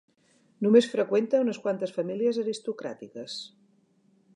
Només freqüenta unes quantes famílies aristocràtiques.